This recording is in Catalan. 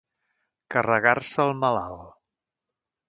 Carregar-se el malalt.